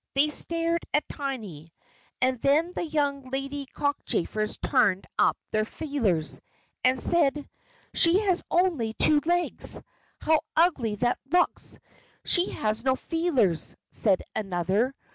They stared at Tiny, and then the young lady cockchafers turned up their feelers, and said: "She has only two legs! how ugly that looks." "She has no feelers," said another.